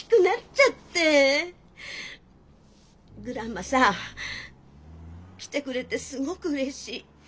グランマさ来てくれてすごくうれしい。